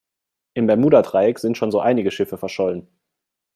Im Bermuda-Dreieck sind schon so einige Schiffe verschollen.